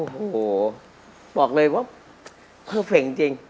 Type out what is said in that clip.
โหบอกเลยว่ามาครึ่งจริง